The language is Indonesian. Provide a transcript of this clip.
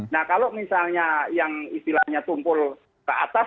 nah kalau misalnya yang istilahnya tumpul ke atas